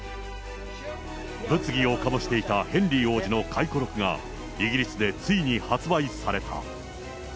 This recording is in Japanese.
物議を醸していたヘンリー王子の回顧録がイギリスでついに発売された。